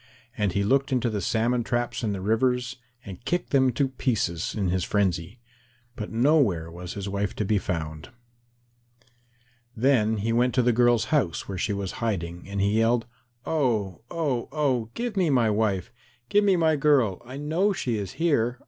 And he looked into the salmon traps in the rivers, and kicked them to pieces in his frenzy. But nowhere was his wife to be found. Then he went to the girl's house, where she was hiding, and he yelled, "Oh, oh, oh, give me my wife. Give me my girl. I know she is here.